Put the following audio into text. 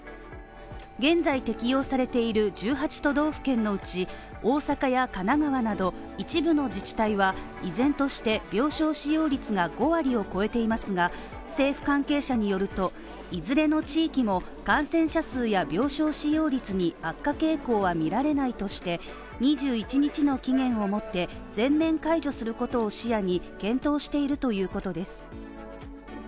現在適用されている１８都道府県のうち、大阪や神奈川など、一部の自治体は依然として病床使用率が５割を超えていますが政府関係者によると、いずれの地域も感染者数や病床使用率に悪化傾向は見られないとして２１日の期限をもって、全面解除することを視野に検討しているということです。